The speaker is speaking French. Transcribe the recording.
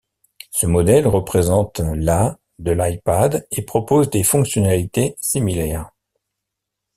Ce modèle représente la de l'iPad et propose des fonctionnalités similaires.